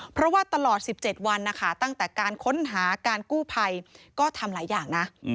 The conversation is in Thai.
เพราะว่าตลอด๑๗วันนะคะตั้งแต่การค้นหาการกู้ภัยก็ทำหลายอย่างนะ